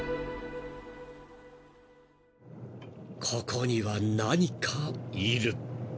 ［ここには何かいる］